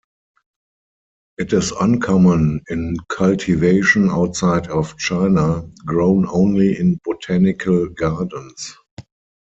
It is uncommon in cultivation outside of China, grown only in botanical gardens.